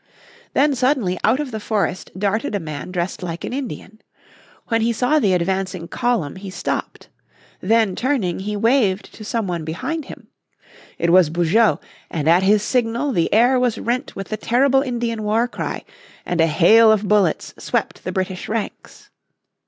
Then suddenly out of the forest darted a man dressed like an Indian. When he saw the advancing column he stopped. Then turning, he waved to some one behind him. It was Beaujeu, and at his signal the air was rent with the terrible Indian war cry, and a hail of bullets swept the British ranks.